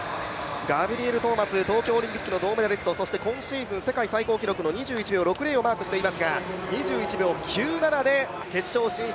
ガブリエル・トーマス、東京オリンピックの銅メダリスト、そして今シーズン世界最高記録の２１秒６０をマークしていますが、２１秒９７で決勝進出